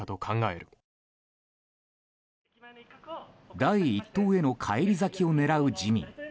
第一党への返り咲きを狙う自民。